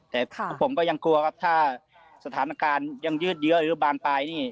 แต่ผมก็ยังกลัวครับถ้าสถานการณ์ยังยืดเยอะหรือบานปลายนี่